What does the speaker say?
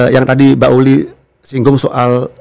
yang tadi mbak uli singgung soal